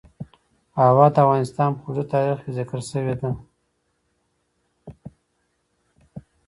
هوا د افغانستان په اوږده تاریخ کې ذکر شوی دی.